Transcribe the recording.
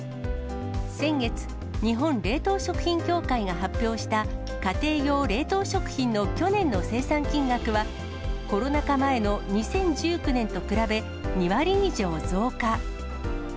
先月、日本冷凍食品協会が発表した家庭用冷凍食品の去年の生産金額は、コロナ禍前の２０１９年と比べ２割以上増加。